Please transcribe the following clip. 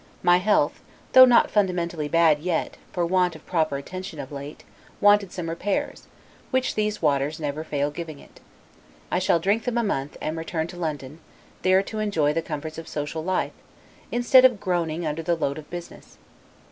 My health, though not fundamentally bad yet, for want of proper attention of late, wanted some repairs, which these waters never fail giving it. I shall drink them a month, and return to London, there to enjoy the comforts of social life, instead of groaning under the load of business.